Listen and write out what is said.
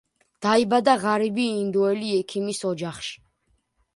დაიბადა ღარიბი ინდოელი ექიმის ოჯახში.